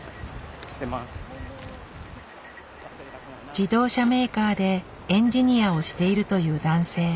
自動車メーカーでエンジニアをしているという男性。